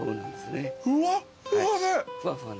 ふわっふわで。